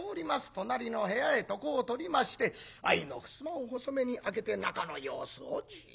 隣の部屋へ床をとりまして間の襖を細めに開けて中の様子をじっとうかがっている。